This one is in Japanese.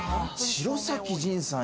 城咲仁さん